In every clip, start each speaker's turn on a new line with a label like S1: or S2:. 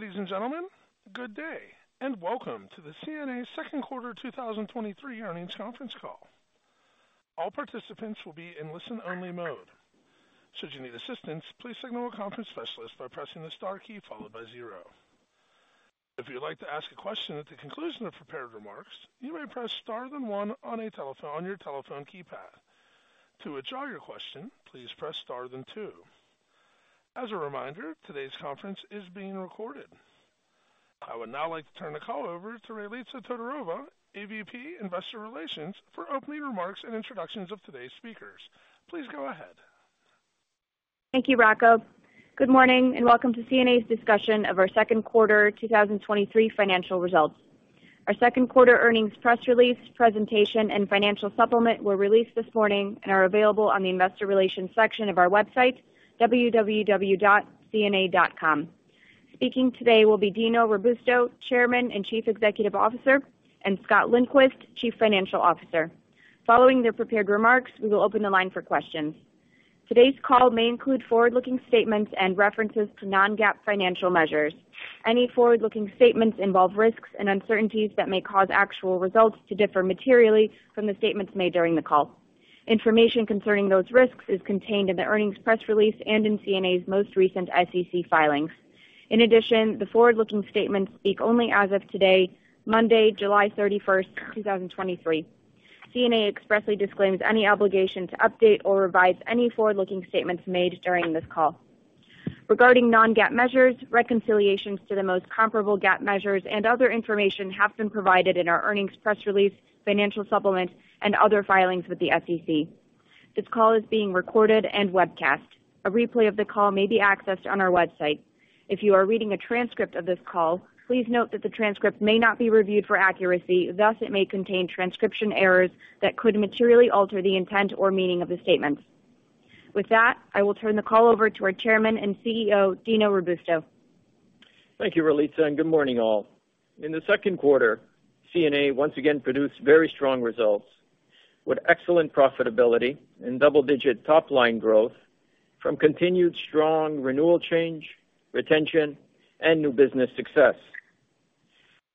S1: Ladies and gentlemen, good day, welcome to the CNA's second quarter 2023 earnings conference call. All participants will be in listen-only mode. Should you need assistance, please signal a conference specialist by pressing the star key followed by zero. If you'd like to ask a question at the conclusion of prepared remarks, you may press Star then one on your telephone keypad. To withdraw your question, please press Star then two. As a reminder, today's conference is being recorded. I would now like to turn the call over to Ralitza Todorova, AVP, Investor Relations, for opening remarks and introductions of today's speakers. Please go ahead.
S2: Thank you, Rocco. Good morning, and welcome to CNA's discussion of our second quarter 2023 financial results. Our second quarter earnings press release, presentation, and financial supplement were released this morning and are available on the investor relations section of our website, www.cna.com. Speaking today will be Dino Robusto, Chairman and Chief Executive Officer, and Scott Lindquist, Chief Financial Officer. Following their prepared remarks, we will open the line for questions. Today's call may include forward-looking statements and references to non-GAAP financial measures. Any forward-looking statements involve risks and uncertainties that may cause actual results to differ materially from the statements made during the call. Information concerning those risks is contained in the earnings press release and in CNA's most recent SEC filings. In addition, the forward-looking statements speak only as of today, Monday, July 31st, 2023. CNA expressly disclaims any obligation to update or revise any forward-looking statements made during this call. Regarding non-GAAP measures, reconciliations to the most comparable GAAP measures and other information have been provided in our earnings press release, financial supplement, and other filings with the SEC. This call is being recorded and webcast. A replay of the call may be accessed on our website. If you are reading a transcript of this call, please note that the transcript may not be reviewed for accuracy, thus it may contain transcription errors that could materially alter the intent or meaning of the statements. With that, I will turn the call over to our Chairman and CEO, Dino Robusto.
S3: Thank you, Ralitza. Good morning, all. In the second quarter, CNA once again produced very strong results with excellent profitability and double-digit top-line growth from continued strong renewal change, retention, and new business success.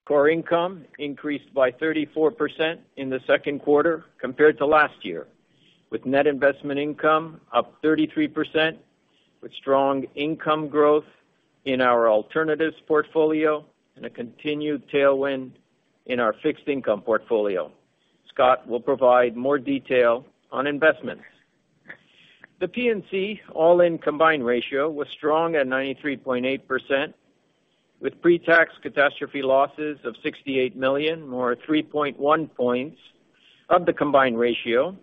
S3: Core income increased by 34% in the second quarter compared to last year, with net investment income up 33%, with strong income growth in our alternatives portfolio and a continued tailwind in our fixed income portfolio. Scott will provide more detail on investments. The P&C all-in combined ratio was strong at 93.8%, with pre-tax catastrophe losses of $68 million, more 3.1 points of the combined ratio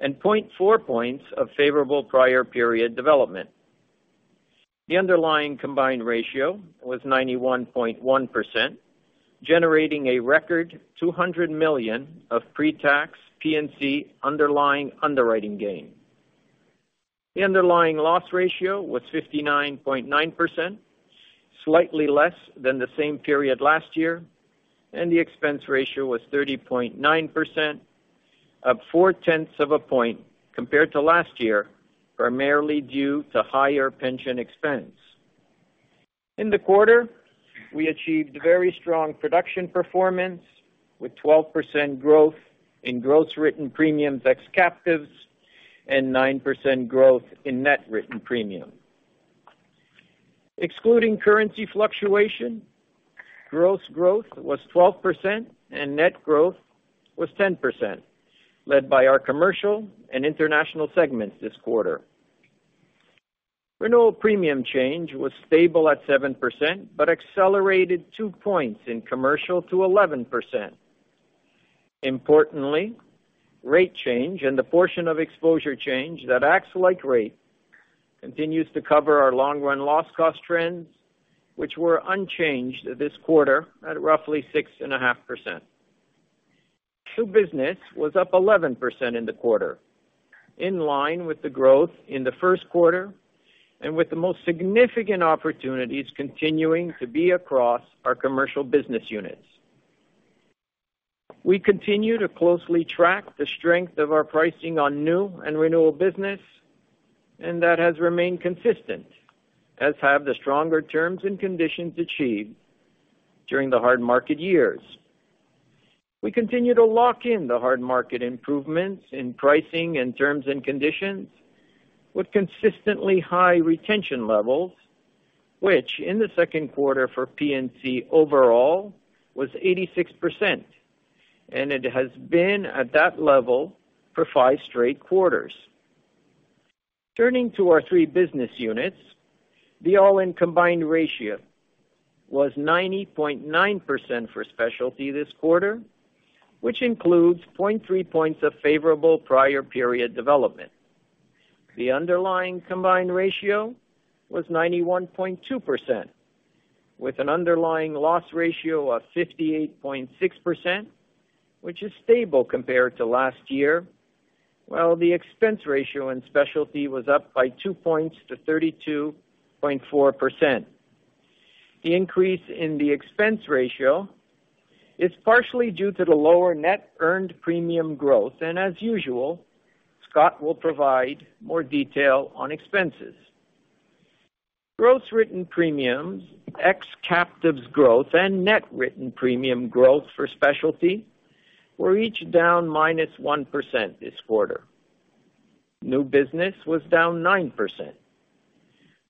S3: and 0.4 points of favorable prior period development. The underlying combined ratio was 91.1%, generating a record $200 million of pre-tax P&C underlying underwriting gain. The underlying loss ratio was 59.9%, slightly less than the same period last year. The expense ratio was 30.9%, up 0.4 of a point compared to last year, primarily due to higher pension expense. In the quarter, we achieved very strong production performance, with 12% growth in gross written premiums ex captives and 9% growth in net written premium. Excluding currency fluctuation, gross growth was 12% and net growth was 10%, led by our commercial and international segments this quarter. Renewal premium change was stable at 7%, but accelerated two points in commercial to 11%. Importantly, rate change and the portion of exposure change that acts like rate continues to cover our long-run loss cost trends, which were unchanged this quarter at roughly 6.5%. New business was up 11% in the quarter, in line with the growth in the first quarter and with the most significant opportunities continuing to be across our commercial business units. We continue to closely track the strength of our pricing on new and renewal business, and that has remained consistent, as have the stronger terms and conditions achieved during the hard market years. We continue to lock in the hard market improvements in pricing and terms and conditions with consistently high retention levels, which in the second quarter for P&C overall was 86%, and it has been at that level for five straight quarters. Turning to our three business units, the all-in combined ratio was 90.9% for specialty this quarter, which includes 0.3 points of favorable prior period development. The underlying combined ratio was 91.2%, with an underlying loss ratio of 58.6%, which is stable compared to last year, while the expense ratio in specialty was up by two points to 32.4%. It's partially due to the lower net earned premium growth, and as usual, Scott will provide more detail on expenses. Gross written premiums, ex captives growth, and net written premium growth for specialty were each down -1% this quarter. New business was down 9%.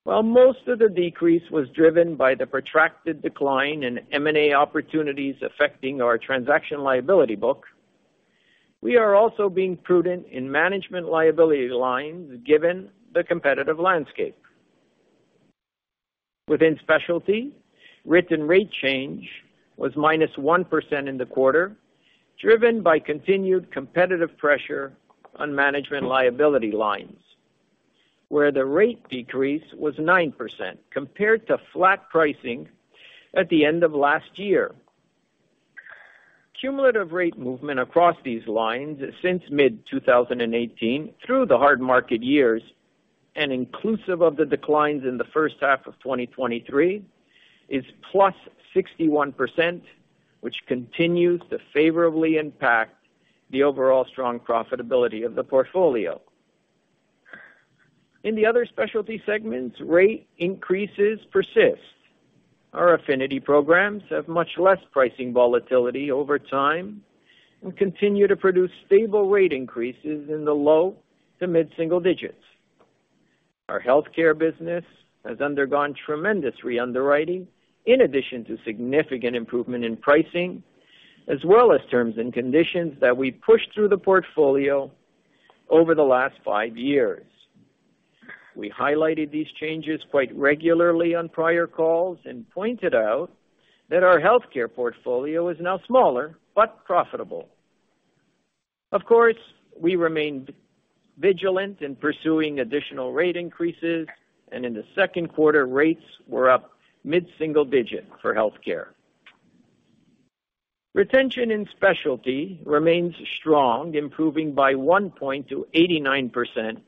S3: While most of the decrease was driven by the protracted decline in M&A opportunities affecting our transaction liability book, we are also being prudent in management liability lines given the competitive landscape. Within specialty, written rate change was -1% in the quarter, driven by continued competitive pressure on management liability lines, where the rate decrease was 9% compared to flat pricing at the end of last year. Cumulative rate movement across these lines since mid 2018, through the hard market years, and inclusive of the declines in the first half of 2023, is +61%, which continues to favorably impact the overall strong profitability of the portfolio. In the other specialty segments, rate increases persist. Our affinity programs have much less pricing volatility over time and continue to produce stable rate increases in the low to mid-single digits. Our healthcare business has undergone tremendous reunderwriting, in addition to significant improvement in pricing, as well as terms and conditions that we've pushed through the portfolio over the last five years. We highlighted these changes quite regularly on prior calls and pointed out that our healthcare portfolio is now smaller but profitable. Of course, we remained vigilant in pursuing additional rate increases, and in the second quarter, rates were up mid-single digit for healthcare. Retention in specialty remains strong, improving by one point to 89%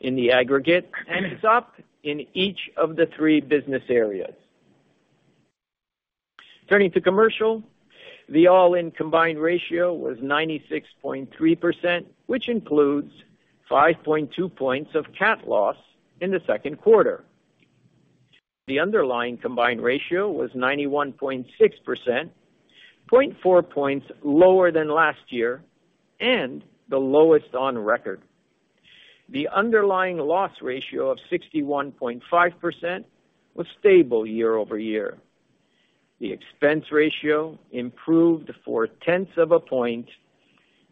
S3: in the aggregate, and is up in each of the three business areas. Turning to commercial, the all-in combined ratio was 96.3%, which includes 5.2 points of cat loss in the second quarter. The underlying combined ratio was 91.6%, 0.4 points lower than last year, and the lowest on record. The underlying loss ratio of 61.5% was stable year-over-year. The expense ratio improved 0.4 of a point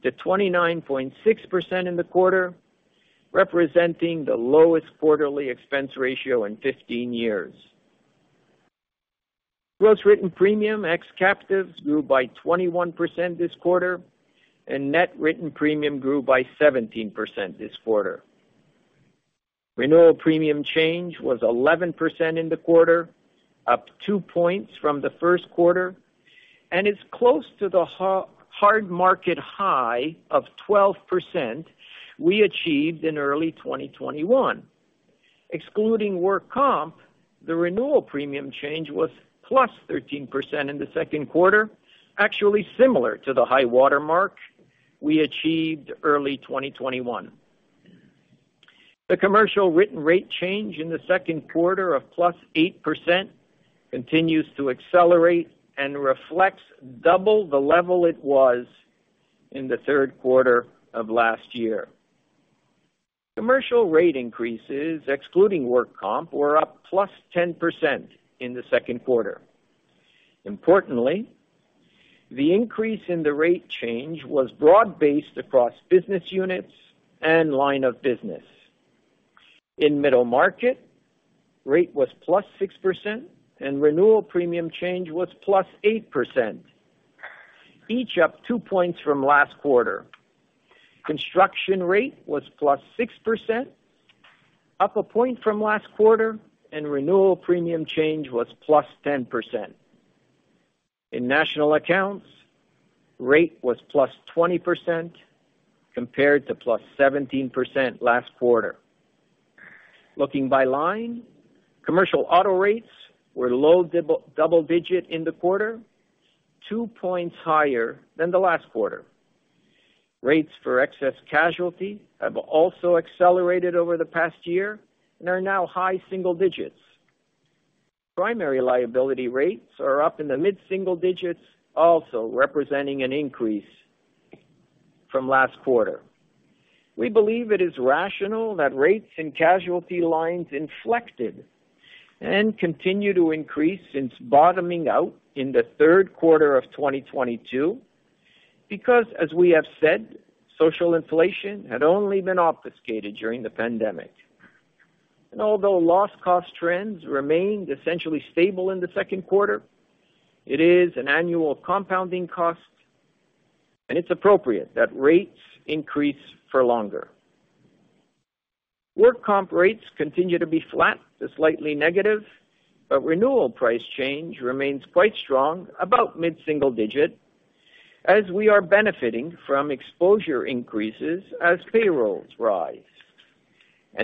S3: to 29.6% in the quarter, representing the lowest quarterly expense ratio in 15 years. Gross written premium, ex captives, grew by 21% this quarter. Net written premium grew by 17% this quarter. Renewal premium change was 11% in the quarter, up two points from the first quarter. Is close to the hard market high of 12% we achieved in early 2021. Excluding work comp, the renewal premium change was +13% in the second quarter, actually similar to the high watermark we achieved early 2021. The commercial written rate change in the second quarter of +8% continues to accelerate and reflects double the level it was in the third quarter of last year. Commercial rate increases, excluding work comp, were up +10% in the second quarter. Importantly, the increase in the rate change was broad-based across business units and line of business. In middle market, rate was +6%, and renewal premium change was +8%, each up two points from last quarter. Construction rate was +6%, up a point from last quarter, and renewal premium change was +10%. In national accounts, rate was +20%, compared to +17% last quarter. Looking by line, commercial auto rates were low double digit in the quarter, two points higher than the last quarter. Rates for excess casualty have also accelerated over the past year and are now high single digits. Primary liability rates are up in the mid-single digits, also representing an increase from last quarter. We believe it is rational that rates and casualty lines inflected and continue to increase since bottoming out in the third quarter of 2022, because, as we have said, social inflation had only been obfuscated during the pandemic. Although loss cost trends remained essentially stable in the second quarter, it is an annual compounding cost, and it's appropriate that rates increase for longer. Work comp rates continue to be flat to slightly negative. Renewal price change remains quite strong, about mid-single digit, as we are benefiting from exposure increases as payrolls rise.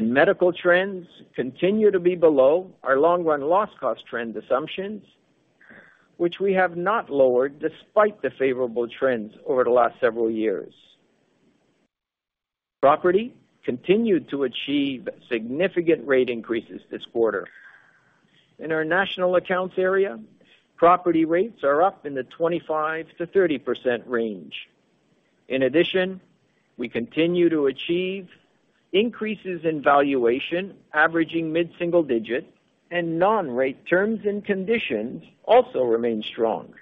S3: Medical trends continue to be below our long-run loss cost trend assumptions, which we have not lowered despite the favorable trends over the last several years. Property continued to achieve significant rate increases this quarter. In our national accounts area, property rates are up in the 25%-30% range. In addition, we continue to achieve increases in valuation, averaging mid-single digit, and non-rate terms and conditions also remain strong.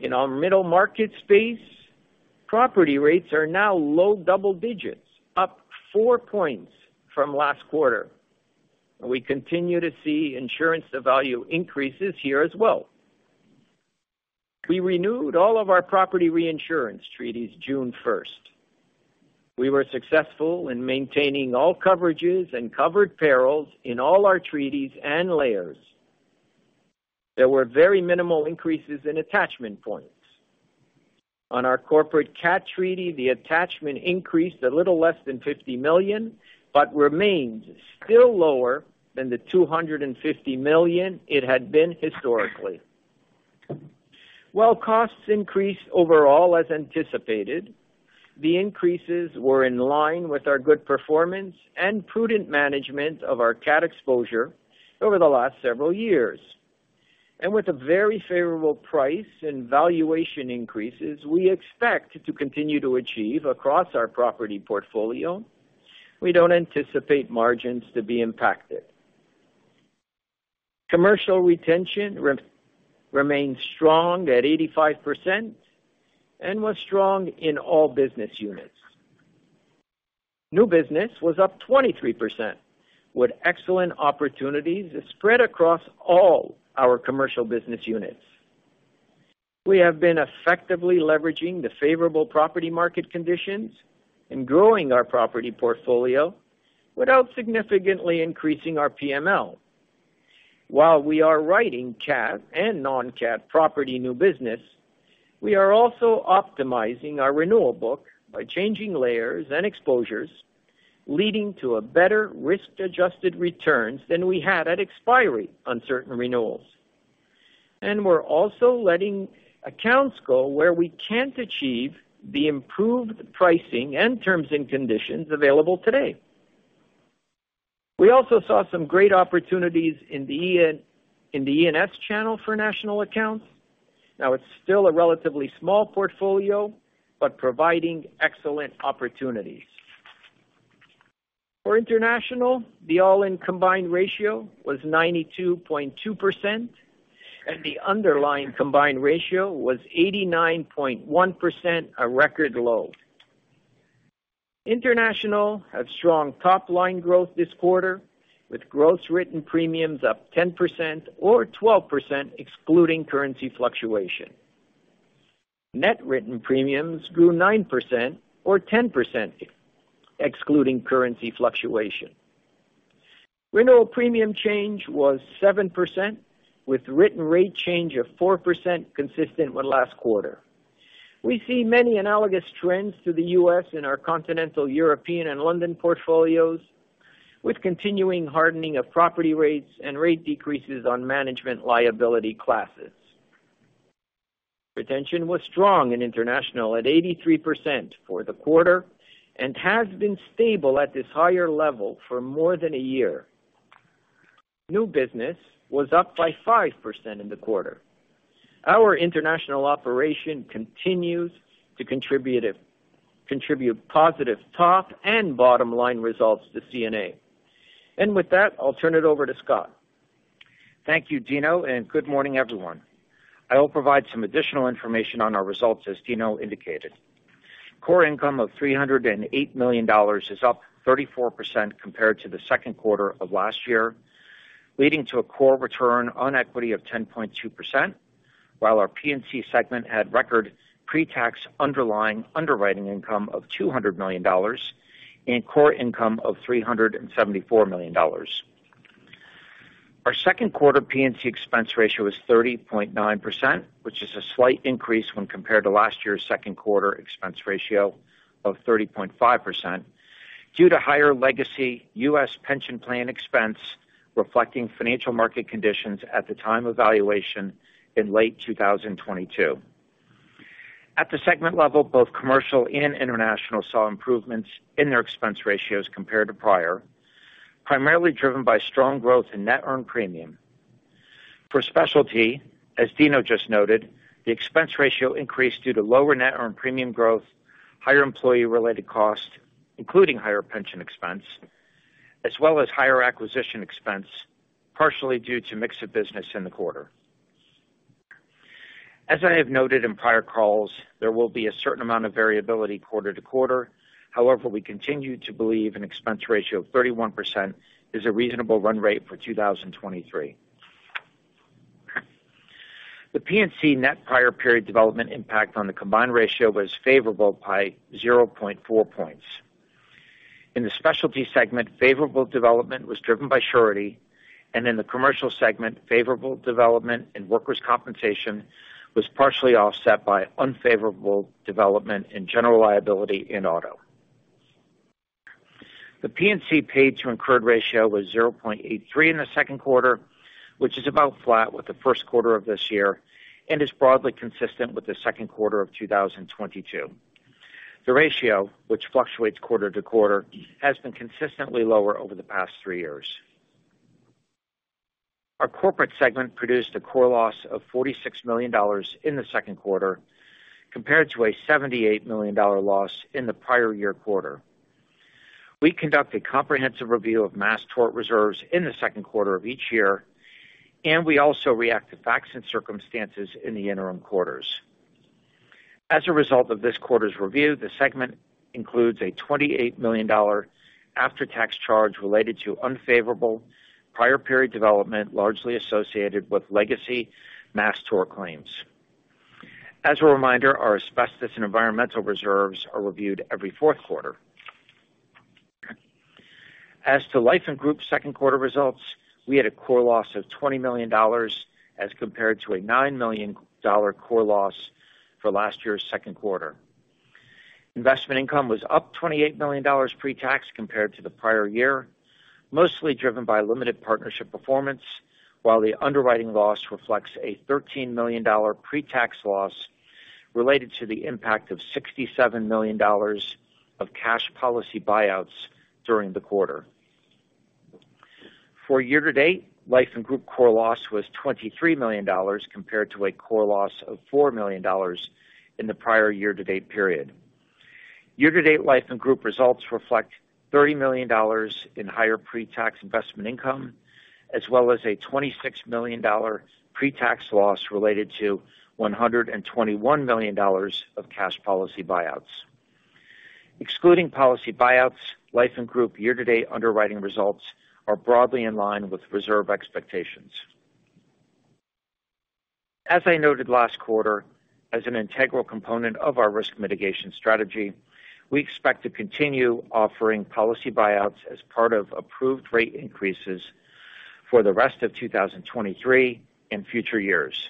S3: In our middle market space, property rates are now low double digits, up four points from last quarter, and we continue to see insurance-to-value increases here as well. We renewed all of our property reinsurance treaties June 1st. We were successful in maintaining all coverages and covered perils in all our treaties and layers. There were very minimal increases in attachment points. On our corporate CAT treaty, the attachment increased a little less than $50 million, but remains still lower than the $250 million it had been historically. While costs increased overall, as anticipated, the increases were in line with our good performance and prudent management of our CAT exposure over the last several years. With a very favorable price and valuation increases we expect to continue to achieve across our property portfolio, we don't anticipate margins to be impacted. Commercial retention remains strong at 85% and was strong in all business units. New business was up 23%, with excellent opportunities spread across all our commercial business units. We have been effectively leveraging the favorable property market conditions and growing our property portfolio without significantly increasing our PML. While we are writing CAT and non-CAT property new business, we are also optimizing our renewal book by changing layers and exposures, leading to a better risk-adjusted returns than we had at expiry on certain renewals. We're also letting accounts go where we can't achieve the improved pricing and terms and conditions available today. We also saw some great opportunities in the E&S channel for national accounts. Now, it's still a relatively small portfolio, but providing excellent opportunities. For International, the all-in combined ratio was 92.2%, and the underlying combined ratio was 89.1%, a record low. International had strong top-line growth this quarter, with gross written premiums up 10% or 12%, excluding currency fluctuation. Net written premiums grew 9% or 10%, excluding currency fluctuation. Renewal premium change was 7%, with written rate change of 4%, consistent with last quarter. We see many analogous trends to the U.S. in our continental European and London portfolios, with continuing hardening of property rates and rate decreases on management liability classes. Retention was strong in International, at 83% for the quarter, and has been stable at this higher level for more than a year. New business was up by 5% in the quarter. Our international operation continues to contribute positive top and bottom-line results to CNA. With that, I'll turn it over to Scott.
S4: Thank you, Dino, good morning, everyone. I will provide some additional information on our results, as Dino indicated. Core income of $308 million is up 34% compared to the second quarter of last year, leading to a core return on equity of 10.2%, while our P&C segment had record pretax underlying underwriting income of $200 million and core income of $374 million. Our second quarter P&C expense ratio is 30.9%, which is a slight increase when compared to last year's second quarter expense ratio of 30.5%, due to higher legacy U.S. pension plan expense, reflecting financial market conditions at the time of valuation in late 2022. At the segment level, both commercial and international saw improvements in their expense ratios compared to prior, primarily driven by strong growth in net earned premium. For specialty, as Dino just noted, the expense ratio increased due to lower net earned premium growth, higher employee-related costs, including higher pension expense, as well as higher acquisition expense, partially due to mix of business in the quarter. As I have noted in prior calls, there will be a certain amount of variability quarter to quarter. However, we continue to believe an expense ratio of 31% is a reasonable run rate for 2023. The P&C net prior period development impact on the combined ratio was favorable by 0.4 points. In the specialty segment, favorable development was driven by surety, and in the commercial segment, favorable development in workers' compensation was partially offset by unfavorable development in general liability in auto. The P&C paid to incurred ratio was 0.83 in the second quarter, which is about flat with the first quarter of this year, and is broadly consistent with the second quarter of 2022. The ratio, which fluctuates quarter to quarter, has been consistently lower over the past three years. Our corporate segment produced a core loss of $46 million in the second quarter, compared to a $78 million loss in the prior year quarter. We conduct a comprehensive review of mass tort reserves in the second quarter of each year, and we also react to facts and circumstances in the interim quarters. As a result of this quarter's review, the segment includes a $28 million after-tax charge related to unfavorable prior period development, largely associated with legacy mass tort claims. As a reminder, our asbestos and environmental reserves are reviewed every fourth quarter. As to Life and Group second quarter results, we had a core loss of $20 million, as compared to a $9 million core loss for last year's second quarter. Investment income was up $28 million pre-tax compared to the prior year, mostly driven by limited partnership performance, while the underwriting loss reflects a $13 million pre-tax loss related to the impact of $67 million of cash policy buyouts during the quarter. For year-to-date, Life and Group core loss was $23 million, compared to a core loss of $4 million in the prior year-to-date period. Year-to-date Life and Group results reflect $30 million in higher pre-tax investment income, as well as a $26 million pre-tax loss related to $121 million of cash policy buyouts. Excluding policy buyouts, Life and Group year-to-date underwriting results are broadly in line with reserve expectations. As I noted last quarter, as an integral component of our risk mitigation strategy, we expect to continue offering policy buyouts as part of approved rate increases for the rest of 2023 and future years.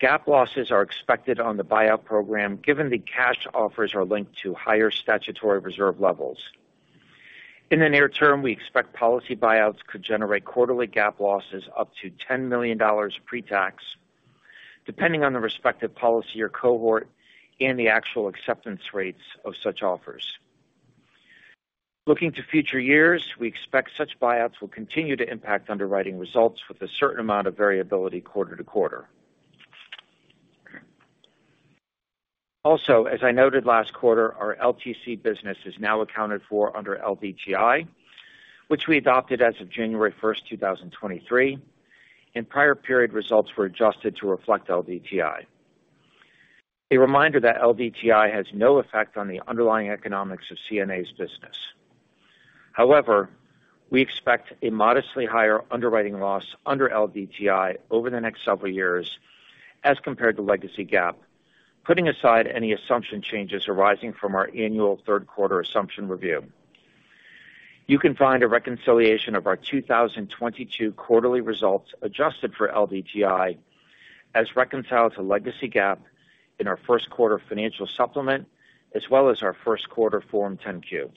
S4: GAAP losses are expected on the buyout program, given the cash offers are linked to higher statutory reserve levels. In the near term, we expect policy buyouts could generate quarterly GAAP losses up to $10 million pre-tax, depending on the respective policy or cohort and the actual acceptance rates of such offers. Looking to future years, we expect such buyouts will continue to impact underwriting results with a certain amount of variability quarter-to-quarter. As I noted last quarter, our LTC business is now accounted for under LDTI, which we adopted as of January 1, 2023, and prior period results were adjusted to reflect LDTI. A reminder that LDTI has no effect on the underlying economics of CNA's business. However, we expect a modestly higher underwriting loss under LDTI over the next several years as compared to legacy GAAP, putting aside any assumption changes arising from our annual third quarter assumption review. You can find a reconciliation of our 2022 quarterly results adjusted for LDTI as reconciled to legacy GAAP in our first quarter financial supplement, as well as our first quarter Form 10-Q.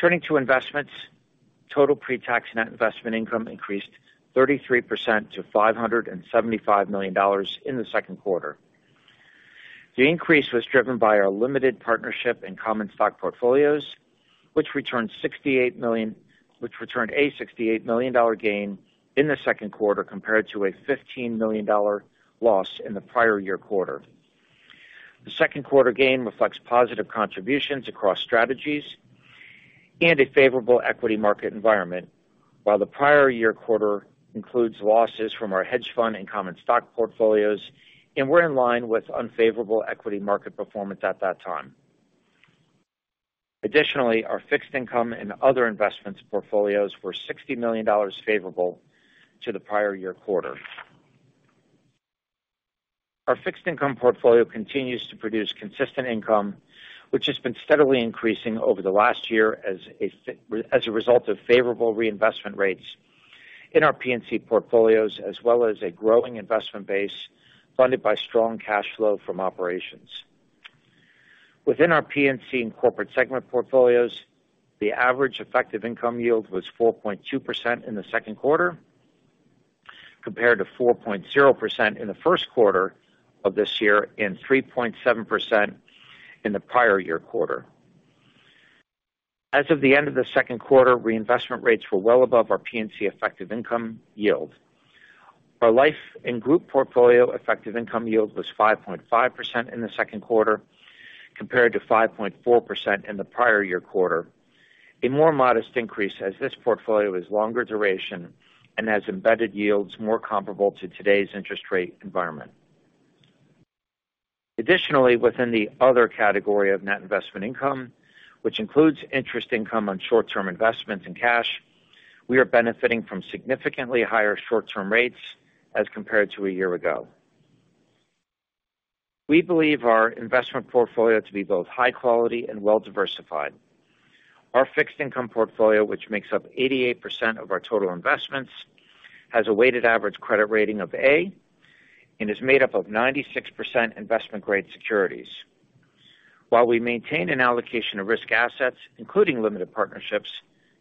S4: Turning to investments, total pre-tax net investment income increased 33% to $575 million in the second quarter. The increase was driven by our limited partnership and common stock portfolios, which returned a $68 million gain in the second quarter, compared to a $15 million loss in the prior year quarter. The second quarter gain reflects positive contributions across strategies and a favorable equity market environment, while the prior year quarter includes losses from our hedge fund and common stock portfolios, and we're in line with unfavorable equity market performance at that time. Additionally, our fixed income and other investments portfolios were $60 million favorable to the prior year quarter. Our fixed income portfolio continues to produce consistent income, which has been steadily increasing over the last year as a result of favorable reinvestment rates in our P&C portfolios, as well as a growing investment base funded by strong cash flow from operations. Within our P&C and corporate segment portfolios, the average effective income yield was 4.2% in the second quarter, compared to 4.0% in the first quarter of this year, and 3.7% in the prior year quarter. As of the end of the second quarter, reinvestment rates were well above our P&C effective income yield. Our Life and Group portfolio effective income yield was 5.5% in the second quarter, compared to 5.4% in the prior year quarter, a more modest increase as this portfolio is longer duration and has embedded yields more comparable to today's interest rate environment. Additionally, within the other category of net investment income, which includes interest income on short-term investments in cash, we are benefiting from significantly higher short-term rates as compared to a year ago. We believe our investment portfolio to be both high quality and well-diversified. Our fixed income portfolio, which makes up 88% of our total investments, has a weighted average credit rating of A and is made up of 96% investment-grade securities. While we maintain an allocation of risk assets, including limited partnerships,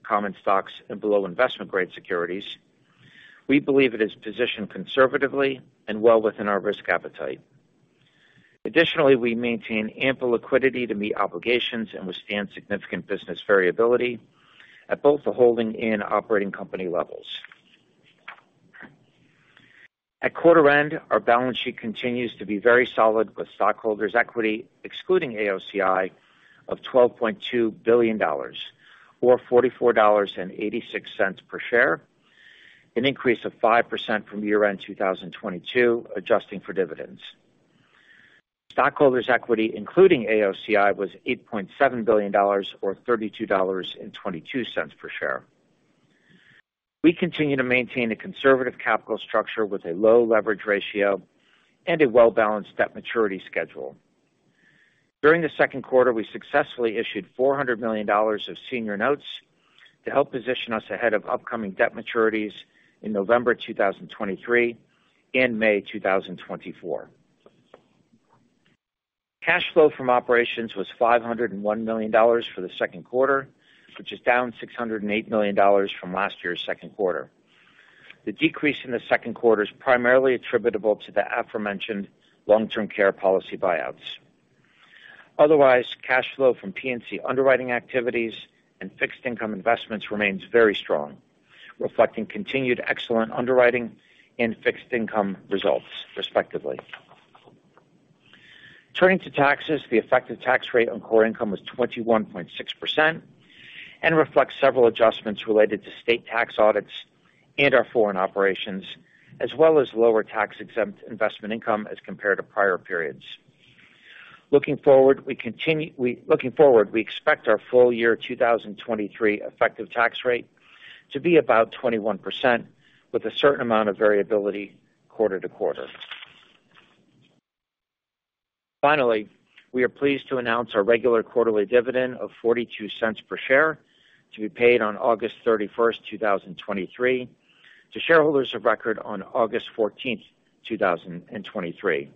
S4: common stocks, and below-investment grade securities, we believe it is positioned conservatively and well within our risk appetite. Additionally, we maintain ample liquidity to meet obligations and withstand significant business variability at both the holding and operating company levels. At quarter end, our balance sheet continues to be very solid, with stockholders' equity, excluding AOCI, of $12.2 billion or $44.86 per share, an increase of 5% from year-end 2022, adjusting for dividends. Stockholders' equity, including AOCI, was $8.7 billion or $32.22 per share. We continue to maintain a conservative capital structure with a low leverage ratio and a well-balanced debt maturity schedule. During the second quarter, we successfully issued $400 million of senior notes to help position us ahead of upcoming debt maturities in November 2023 and May 2024. Cash flow from operations was $501 million for the second quarter, which is down $608 million from last year's second quarter. The decrease in the second quarter is primarily attributable to the aforementioned long-term care policy buyouts. Cash flow from P&C underwriting activities and fixed income investments remains very strong, reflecting continued excellent underwriting and fixed income results, respectively. Turning to taxes, the effective tax rate on core income was 21.6% and reflects several adjustments related to state tax audits and our foreign operations, as well as lower tax-exempt investment income as compared to prior periods. Looking forward, we expect our full year 2023 effective tax rate to be about 21%, with a certain amount of variability quarter-to-quarter. Finally, we are pleased to announce our regular quarterly dividend of $0.42 per share to be paid on August 31, 2023, to shareholders of record on August 14, 2023.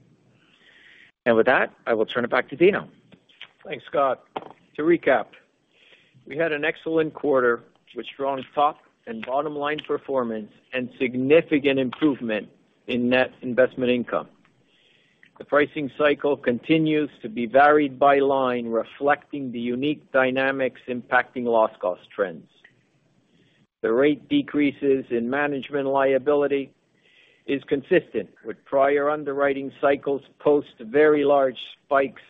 S4: With that, I will turn it back to Dino.
S3: Thanks, Scott. To recap, we had an excellent quarter with strong top and bottom line performance and significant improvement in net investment income. The pricing cycle continues to be varied by line, reflecting the unique dynamics impacting loss cost trends. The rate decreases in management liability is consistent with prior underwriting cycles, post very large spikes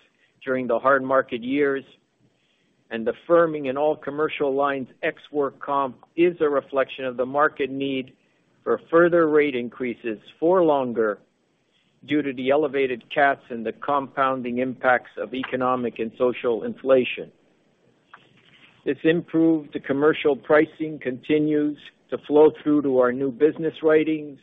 S3: during the hard market years, and the firming in all commercial lines ex-work comp is a reflection of the market need for further rate increases for longer due to the elevated cats and the compounding impacts of economic and social inflation. This improved commercial pricing continues to flow through to our new business writings,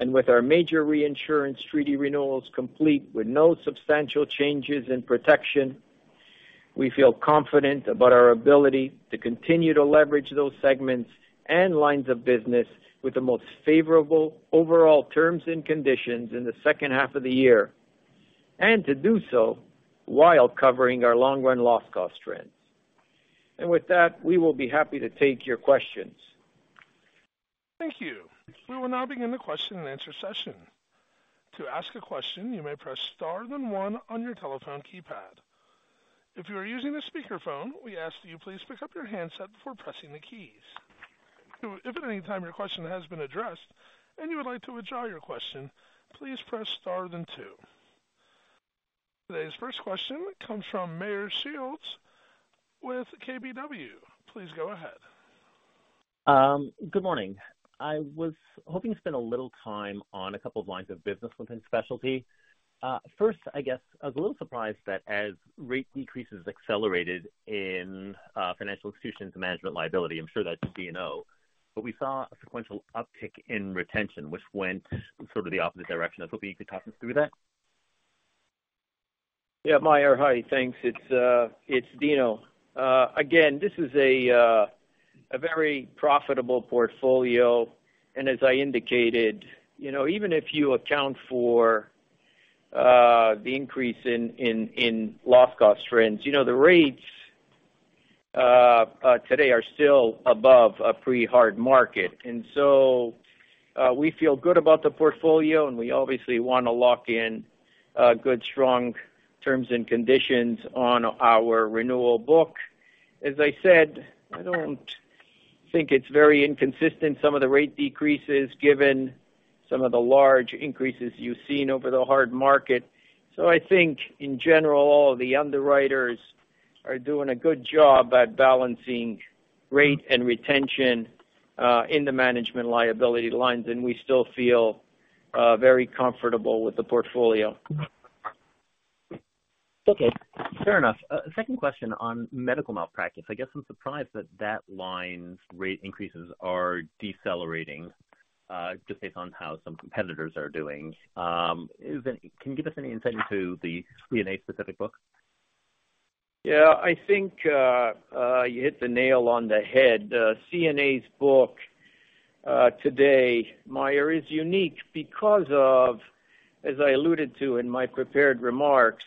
S3: and with our major reinsurance treaty renewals complete with no substantial changes in protection, we feel confident about our ability to continue to leverage those segments and lines of business with the most favorable overall terms and conditions in the second half of the year, and to do so while covering our long-run loss cost trends. With that, we will be happy to take your questions.
S1: Thank you. We will now begin the question-and-answer session. To ask a question, you may press star, then one on your telephone keypad. If you are using a speakerphone, we ask that you please pick up your handset before pressing the keys. If at any time your question has been addressed and you would like to withdraw your question, please press star, then two. Today's first question comes from Meyer Shields with KBW. Please go ahead.
S5: Good morning. I was hoping to spend a little time on a couple of lines of business within specialty. First, I guess I was a little surprised that as rate decreases accelerated in financial institutions and management liability, I'm sure that's a D&O, but we saw a sequential uptick in retention, which went sort of the opposite direction. I was hoping you could talk us through that.
S3: Yeah, Meyer, hi. Thanks. It's, it's Dino. Again, this is a very profitable portfolio, and as I indicated, you know, even if you account for the increase in, in, in loss cost trends, you know, the rates today are still above a pretty hard market. We feel good about the portfolio, and we obviously want to lock in good, strong terms and conditions on our renewal book. As I said, I don't think it's very inconsistent, some of the rate decreases, given some of the large increases you've seen over the hard market. I think in general, the underwriters are doing a good job at balancing rate and retention in the management liability lines, and we still feel very comfortable with the portfolio.
S5: Okay, fair enough. Second question on medical malpractice. I guess I'm surprised that that line's rate increases are decelerating, just based on how some competitors are doing. Can you give us any insight into the CNA specific book?
S3: Yeah, I think you hit the nail on the head. CNA's book today, Meyer, is unique because of, as I alluded to in my prepared remarks,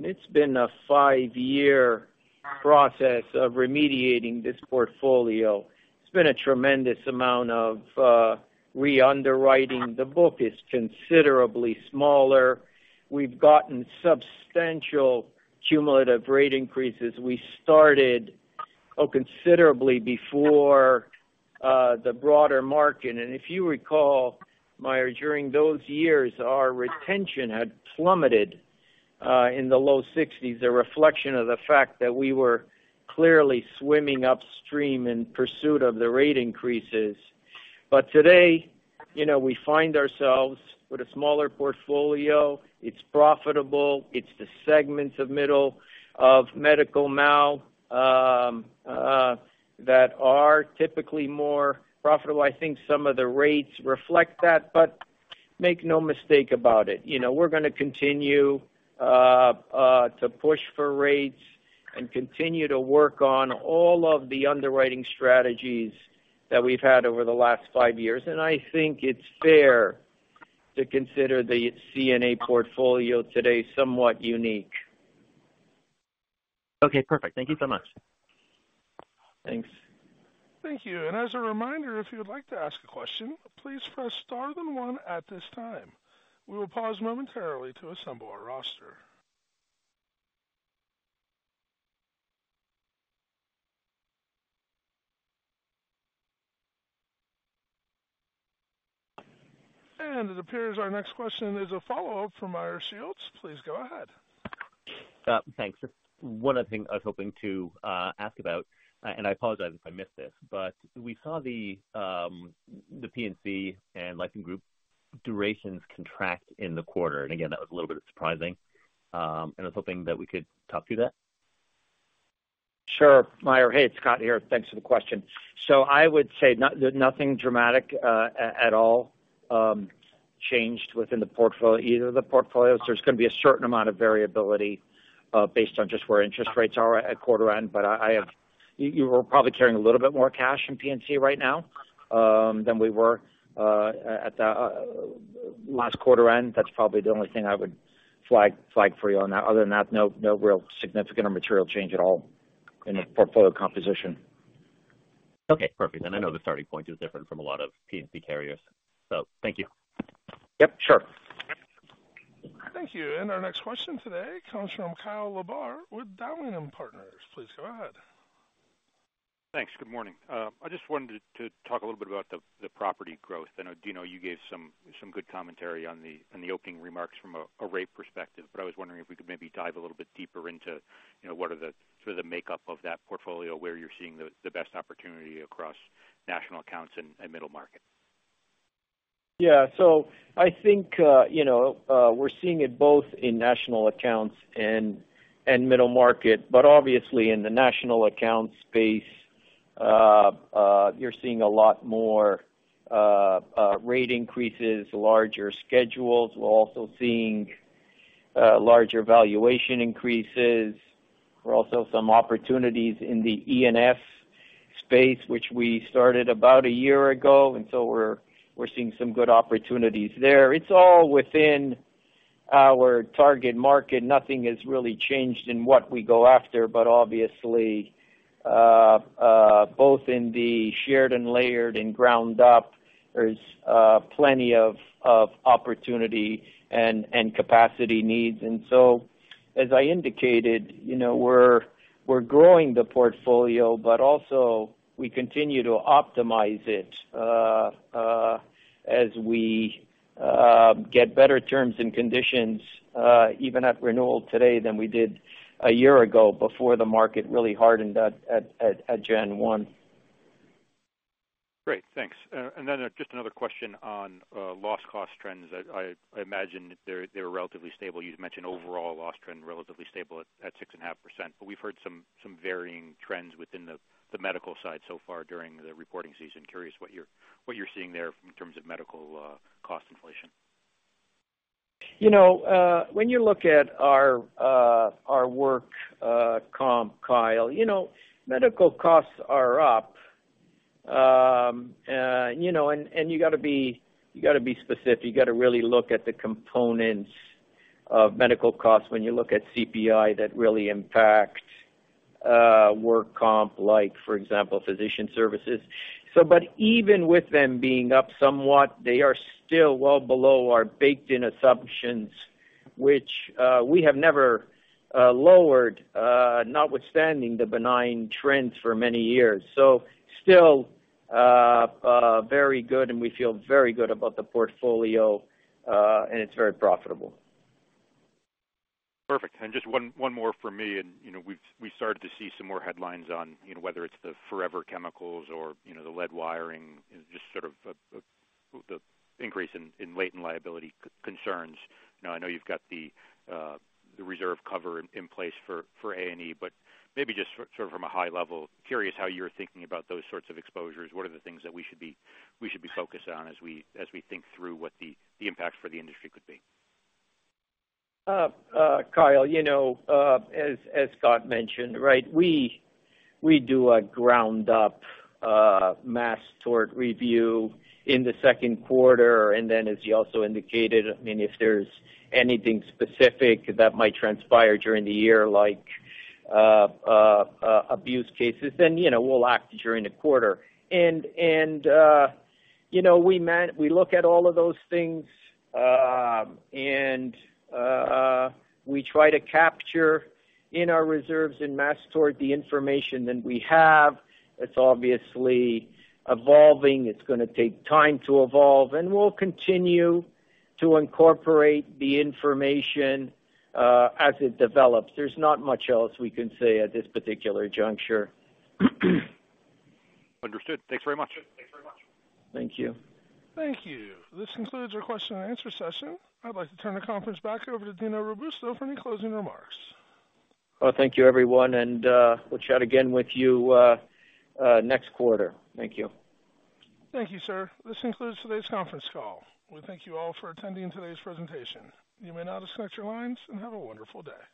S3: it's been a five year process of remediating this portfolio. It's been a tremendous amount of re-underwriting. The book is considerably smaller. We've gotten substantial cumulative rate increases. We started, oh, considerably before the broader market. If you recall, Meyer, during those years, our retention had plummeted in the low 60s, a reflection of the fact that we were clearly swimming upstream in pursuit of the rate increases. Today, you know, we find ourselves with a smaller portfolio. It's profitable. It's the segments of middle of medical mal that are typically more profitable. I think some of the rates reflect that, but make no mistake about it, you know, we're gonna continue to push for rates and continue to work on all of the underwriting strategies that we've had over the last five years. I think it's fair to consider the CNA portfolio today somewhat unique.
S5: Okay, perfect. Thank you so much.
S3: Thanks.
S1: Thank you. As a reminder, if you would like to ask a question, please press star then one at this time. We will pause momentarily to assemble our roster. It appears our next question is a follow-up from Meyer Shields. Please go ahead.
S5: Thanks. Just one other thing I was hoping to ask about, and I apologize if I missed this, but we saw the P&C and life and group durations contract in the quarter, and again, that was a little bit surprising. I was hoping that we could talk through that.
S3: Sure, Meyer. Hey, it's Scott here. Thanks for the question. I would say nothing dramatic at all changed within the portfolio, either of the portfolios. There's gonna be a certain amount of variability based on just where interest rates are at quarter end, but I, I have. We're probably carrying a little bit more cash in P&C right now than we were at the last quarter end. That's probably the only thing I would flag, flag for you on that. Other than that, no, no real significant or material change at all in the portfolio composition.
S5: Okay, perfect. I know the starting point is different from a lot of P&C carriers, so thank you.
S3: Yep, sure.
S1: Thank you. Our next question today comes from Kyle LaBarre with Dowling & Partners. Please go ahead.
S6: Thanks. Good morning. I just wanted to, to talk a little bit about the, the property growth. I know, Dino, you gave some, some good commentary on the, on the opening remarks from a, a rate perspective, but I was wondering if we could maybe dive a little bit deeper into, you know, what are the sort of the makeup of that portfolio, where you're seeing the, the best opportunity across national accounts and, and middle market?
S3: Yeah. I think, you know, we're seeing it both in national accounts and, and middle market, but obviously in the national accounts space, you're seeing a lot more rate increases, larger schedules. We're also seeing larger valuation increases. We're also some opportunities in the E&S space, which we started about a year ago, and so we're, we're seeing some good opportunities there. It's all within our target market. Nothing has really changed in what we go after, but obviously, both in the shared and layered and ground up, there's plenty of, of opportunity and, and capacity needs. As I indicated, you know, we're growing the portfolio, but also we continue to optimize it as we get better terms and conditions even at renewal today than we did a year ago before the market really hardened at January 1.
S6: Great, thanks. Then just another question on loss cost trends. I imagine they're, they're relatively stable. You'd mentioned overall loss trend, relatively stable at 6.5%, but we've heard some varying trends within the medical side so far during the reporting season. Curious what you're, what you're seeing there in terms of medical cost inflation.
S3: You know, when you look at our work comp, Kyle, you know, medical costs are up. You know, and, and you gotta be, you gotta be specific. You gotta really look at the components of medical costs when you look at CPI, that really impact work comp, like, for example, physician services. Even with them being up somewhat, they are still well below our baked-in assumptions, which we have never lowered, notwithstanding the benign trends for many years. Still, very good, and we feel very good about the portfolio, and it's very profitable.
S6: Perfect. Just one, one more for me. You know, we've. we started to see some more headlines on, you know, whether it's the forever chemicals or, you know, the lead wiring, just sort of, the, the increase in, in latent liability concerns. Now, I know you've got the, the reserve cover in, in place for, for A&E, but maybe just sort of from a high level, curious how you're thinking about those sorts of exposures. What are the things that we should be, we should be focused on as we, as we think through what the, the impact for the industry could be?
S3: Kyle, you know, as, as Scott mentioned, right, we, we do a ground up, mass tort review in the second quarter, and then as he also indicated, I mean, if there's anything specific that might transpire during the year, like, abuse cases, then, you know, we'll act during the quarter. You know, we look at all of those things, and we try to capture in our reserves and mass tort the information that we have. It's obviously evolving. It's gonna take time to evolve, and we'll continue to incorporate the information as it develops. There's not much else we can say at this particular juncture.
S6: Understood. Thanks very much.
S3: Thank you.
S1: Thank you. This concludes our question and answer session. I'd like to turn the conference back over to Dino Robusto for any closing remarks.
S3: Well, thank you, everyone, and we'll chat again with you, next quarter. Thank you.
S1: Thank you, sir. This concludes today's conference call. We thank you all for attending today's presentation. You may now disconnect your lines and have a wonderful day.